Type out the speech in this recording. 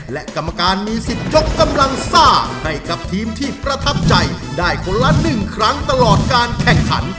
และกรรมการมีสิทธิ์ยกกำลังซ่าให้กับทีมที่ประทับใจได้คนละ๑ครั้งตลอดการแข่งขัน